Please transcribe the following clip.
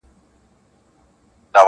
د زمري غار بې هډوکو نه وي-